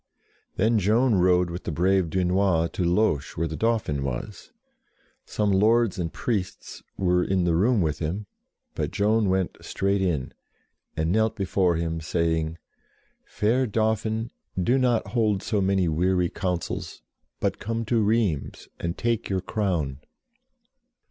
Then Joan rode with the brave Dunois to Loches where the Dauphin was. Some lords and priests were in the room with him, but Joan went straight in, and knelt before him, saying, "Fair Dauphin, do not 50 JOAN OF ARC hold so many weary councils, but come to Rheims, and take your crown."